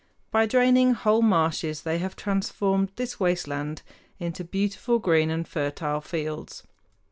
By draining whole marshes they have transformed this waste land into beautiful green and fertile fields.